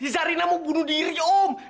zarina mau bunuh diri om